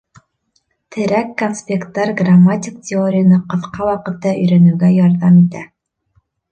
Терәк конспекттар грамматик теорияны ҡыҫҡа ваҡытта өйрәнеүгә ярҙам итә.